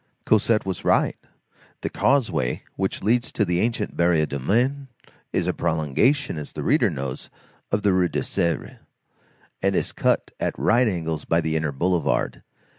Cosette was right. The causeway which leads to the ancient Barrière du Maine is a prolongation, as the reader knows, of the Rue de Sèvres, and is cut at right angles by the inner boulevard.